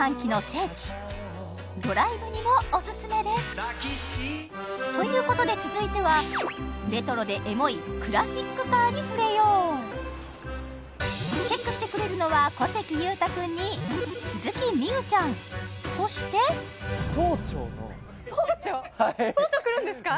聖地ドライブにもオススメですということで続いてはレトロでエモいクラシックカーに触れようチェックしてくれるのは小関裕太くんに鈴木美羽ちゃんそして総長来るんですか？